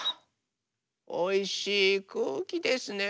おいしいくうきですね。